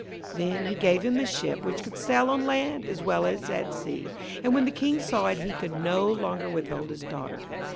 Then he gave him the ship which could sail on land as well as at sea, and when the King saw it he could no longer withhold his daughter.